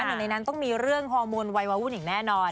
หนึ่งในนั้นต้องมีเรื่องฮอร์โมนวัยวะวุ่นอย่างแน่นอน